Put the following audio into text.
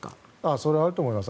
それはあると思います。